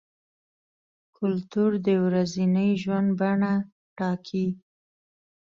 کلتور د ورځني ژوند بڼه ټاکي.